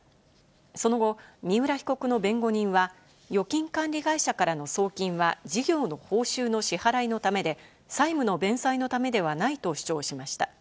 その後、三浦被告の弁護人は、預金管理会社からの送金は事業の報酬の支払いのためで、債務の弁済のためではないと主張しました。